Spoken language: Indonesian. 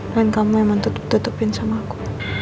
dan kamu memang tutup tutupin sama aku